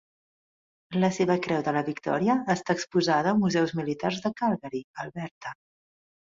La seva creu de la victòria està exposada Museus Militars de Calgary, Alberta.